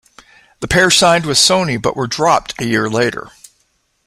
The pair signed with Sony but were dropped a year later.